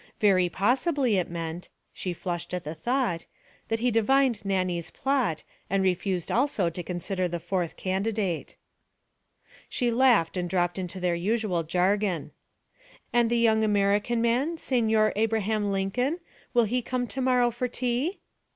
Very possibly it meant she flushed at the thought that he divined Nannie's plot, and refused also to consider the fourth candidate. She laughed and dropped into their usual jargon. 'And the young American man, Signor Abraham Lincoln, will he come to morrow for tea?'